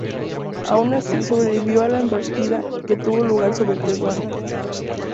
Aun así, sobrevivió a la embestida, que tuvo lugar sobre Tetuán.